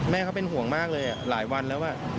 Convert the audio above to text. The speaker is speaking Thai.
แม่เขาเป็นห่วงมากเลยหลายวันแล้ว